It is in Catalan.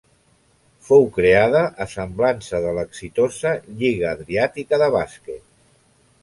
Fou creada a semblança de l'exitosa Lliga Adriàtica de bàsquet.